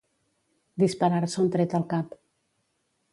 Disparar-se un tret al cap.